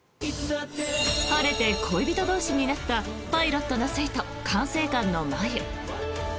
晴れて恋人同士になったパイロットの粋と管制官の真夢。